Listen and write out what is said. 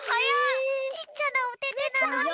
ちっちゃなおててなのに。